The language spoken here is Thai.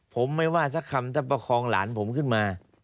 ผมไม่ว่าสักคำถ้าประคองหลานผมขึ้นมา